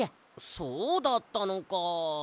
そうだったのか。